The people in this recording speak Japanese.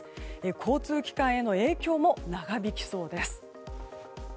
交通機関への影響も長引きそうです。